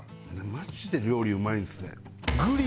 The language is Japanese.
マジで料理うまいんですね。